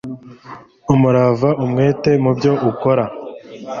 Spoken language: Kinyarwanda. umurava umwete mubyo ukora